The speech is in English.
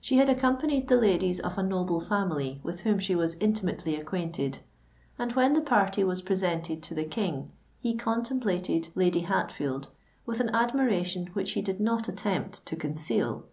She had accompanied the ladies of a noble family with whom she was intimately acquainted; and when the party was presented to the King, he contemplated Lady Hatfield with an admiration which he did not attempt to conceal.